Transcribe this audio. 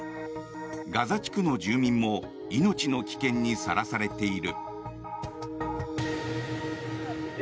ガザ地区の住民も命の危険にさらされている。